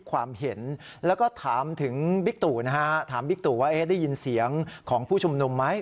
ความเห็นแล้วก็ถามถึงนะฮะถามว่าเอ๊ะได้ยินเสียงของผู้ชมนมไหม